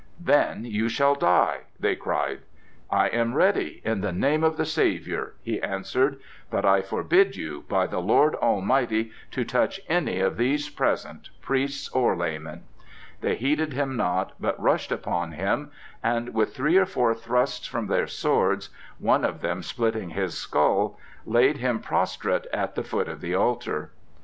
"Then you shall die!" they cried. "I am ready, in the name of the Saviour," he answered; "but I forbid you, by the Lord Almighty, to touch any of these present, priests or laymen." They heeded him not, but rushed upon him, and with three or four thrusts from their swords, one of them splitting his skull, laid him prostrate at the foot of the altar.